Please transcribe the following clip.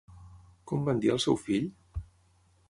Com van dir al seu fill?